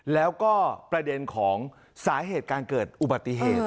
แล้วก็ประเด็นของสาเหตุการเกิดอุบัติเหตุ